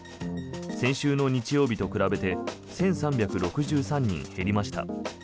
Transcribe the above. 先週の日曜日と比べて１３６３人減りました。